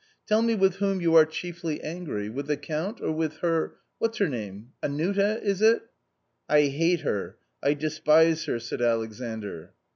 " Tell me with whom are you chiefly angry — with the Count, or with her — what's her name — Anuta, is it ?"" I hate her, I despise her," said Alexandr.